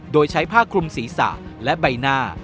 โดยใช้ผ้าคลุมศีรษะและใบหน้า